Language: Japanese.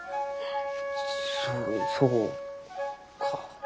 そそうか。